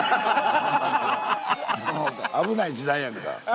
危ない時代やんか。